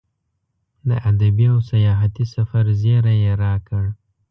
د ادبي او سیاحتي سفر زیری یې راکړ.